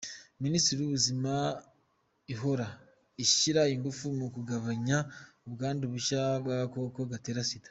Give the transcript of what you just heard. Minisiteri y’Ubuzima ihora ishyira ingufu mu kugabanya ubwandu bushya bw’agakoko gatera Sida.